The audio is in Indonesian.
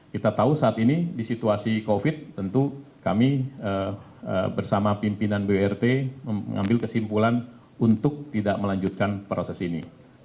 kita tahu saat ini di situasi covid tentu kami bersama pimpinan burt mengambil kesimpulan untuk tidak melanjutkan proses ini